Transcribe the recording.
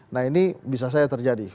nah ini bisa saja terjadi